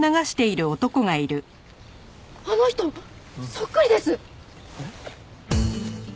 あの人そっくりです！